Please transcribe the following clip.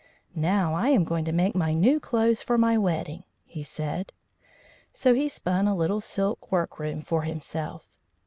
"Now I am going to make my new clothes for my wedding," he said; so he spun a little silk workroom for himself.